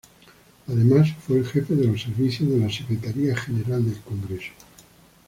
Además fue el Jefe de los servicios de la Secretaría General del congreso.